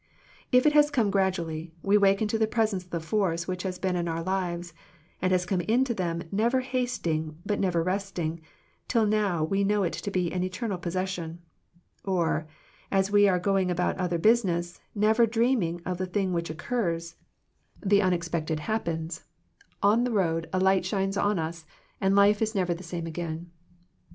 If it has come gradually, we waken to the presence of the force which has been in our lives, and has come into them never hasting but never resting, till now we know it to be an eternal possession. Or, as we are going about other business, never dream ing of the thing which occurs, the unex 29 Digitized by VjOOQIC THE MIRACLE OF FRIENDSHIP pected happens; on the road a light shines on us, and life is never the same again.